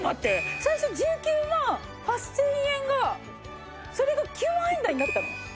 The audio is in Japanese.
最初１９万８０００円がそれが９万円台になったの？